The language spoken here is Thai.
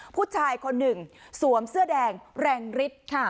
ผู้ชายคนหนึ่งสวมเสื้อแดงแรงฤทธิ์